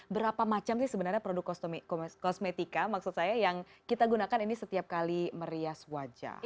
berapa macam sih sebenarnya produk kosmetika maksud saya yang kita gunakan ini setiap kali merias wajah